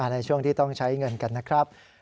ในช่วงที่ต้องใช้เงินกันนะครับ